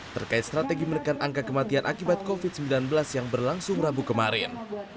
terkait strategi menekan angka kematian akibat covid sembilan belas yang berlangsung rabu kemarin